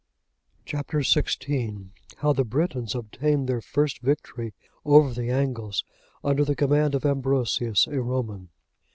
Chap. XVI. How the Britons obtained their first victory over the Angles, under the command of Ambrosius, a Roman.